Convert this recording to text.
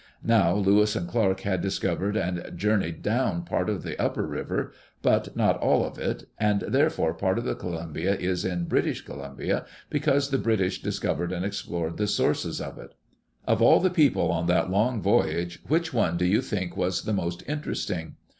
Now Lewis and Clark had discovered and jour Digitized by CjOOQ IC JHE ADVENTURES OF LEWIS AND CLARK neycd down part of the upper river, but not all of it; and therefore part of the Columbia is in British Columbia, because the British discovered and explored the sources of it. Of all the people on that long voyage, which one do you think was the most interesting?